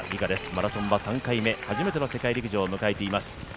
マラソンは３回目、初めての世界陸上を迎えています。